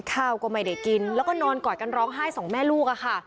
ข้าวก็ไม่ได้กินแล้วก็นอนกอดกันร้องไห้สองแม่ลูกอะค่ะ